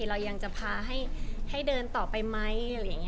โอเคเรายังจะพาให้เดินต่อไปไหมแค่นั้นเอง